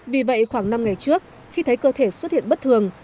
vì vậy khoảng năm ngày trước khi thấy cơ thể xuất hiện bất thường